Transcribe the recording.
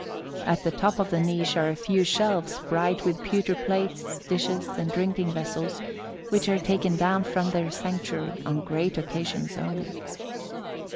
At the top of the niche are a few shelves bright with pewter plates, dishes, and drinking vessels, which are taken down from their sanctuary on great occasions only.